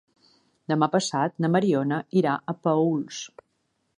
Demà passat na Mariona irà a Paüls.